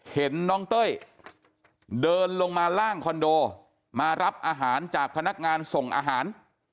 เห็นน้องเต้ยเดินลงมาล่างคอนโดมารับอาหารจากพนักงานส่งอาหาร